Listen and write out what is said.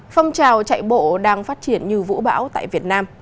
phong trào chạy bộ đang phát triển như vũ bão tại việt nam